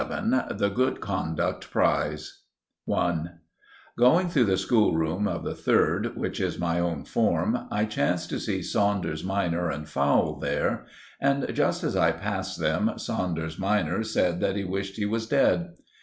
XI* *THE GOOD CONDUCT PRIZE* *I* Going through the school room of the third, which is my own form, I chanced to see Saunders minor and Fowle there; and, just as I passed them, Saunders minor said that he wished he was dead.